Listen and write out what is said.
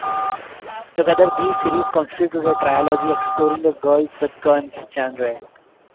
Together, these series constitute a trilogy exploring the "girls-with-guns" genre.